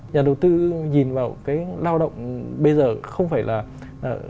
nhà đầu tư nhìn vào cái lao động bây giờ không phải là một nguồn lao động rồi rào